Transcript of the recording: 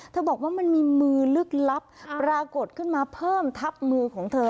บอกว่ามันมีมือลึกลับปรากฏขึ้นมาเพิ่มทับมือของเธอ